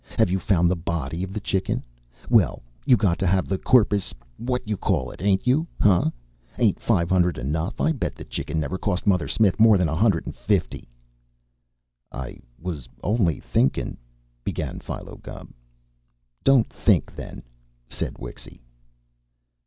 Have you found the body of the Chicken? Well, you got to have the corpus what you call it, ain't you? Huh? Ain't five hundred enough? I bet the Chicken never cost Mother Smith more than a hundred and fifty " "I was only thinkin' " began Philo Gubb. "Don't think, then," said Wixy.